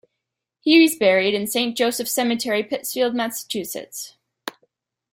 He is buried in Saint Joseph Cemetery, Pittsfield, Massachusetts.